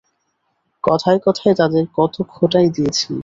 কথায় কথায় তাঁদের কত খোঁটাই খেয়েছি।